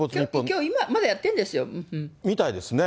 きょう今、まだやってんですみたいですね。